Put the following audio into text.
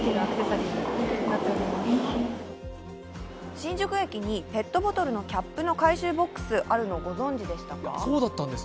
新宿駅にペットボトルのキャップの回収ボックスがあるのをご存じでしたか？